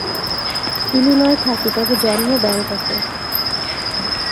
ইলিনয়ে থাকি, তবে জন্ম ব্যাংককে।